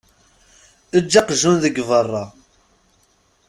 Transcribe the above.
Eǧǧ aqjun deg beṛṛa.